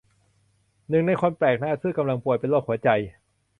หนึ่งในคนแปลกหน้าซึ่งกำลังป่วยเป็นโรคหัวใจ